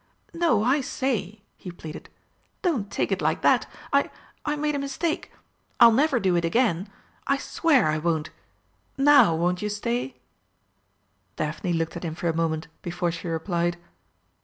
"No, I say," he pleaded, "don't take it like that. I I made a mistake. I'll never do it again. I swear I won't! Now won't you stay?" Daphne looked at him for a moment before she replied.